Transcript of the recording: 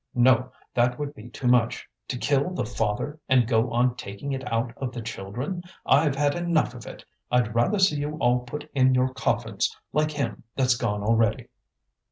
No, that would be too much, to kill the father and go on taking it out of the children! I've had enough of it; I'd rather see you all put in your coffins, like him that's gone already."